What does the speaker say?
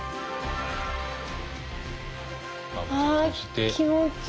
あ気持ちいい。